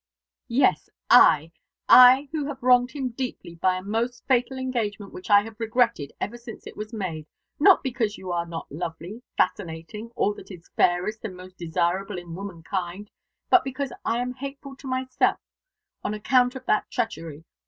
"Yes, I I, who have wronged him deeply by a most fatal engagement which I have regretted ever since it was made. Not because you are not lovely, fascinating, all that is fairest and most desirable in womankind: but because I am hateful to myself on account of that treachery.